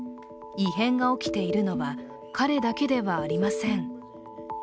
異変が起きているのは、彼だけではありません。